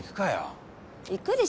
いくでしょ。